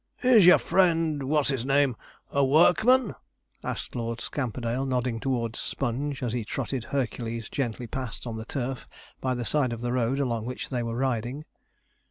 'Is your friend What's his name, a workman?' asked Lord Scamperdale, nodding towards Sponge as he trotted Hercules gently past on the turf by the side of the road along which they were riding.